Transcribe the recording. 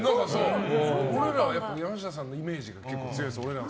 山下さんのイメージが結構強いですよね。